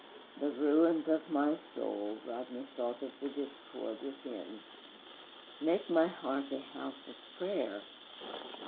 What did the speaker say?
'The ruins of my soul!' Rodney thought of the discord within. '_Make my heart a house of prayer!